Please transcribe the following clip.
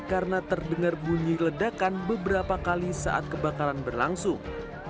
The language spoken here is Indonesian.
karena terdengar bunyi ledakan beberapa kali saat kebakaran berlangsung